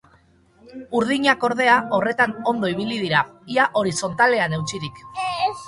Urdinak, ordea, horretan ondo ibili dira, ia horizontalean eutsirik.